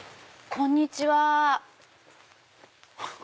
こんにちは。